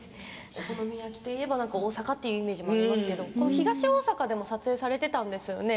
お好み焼きといえば大阪というイメージがありますが東大阪でも撮影していたんですね